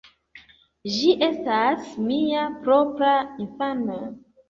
Ĝi estas mia propra infano.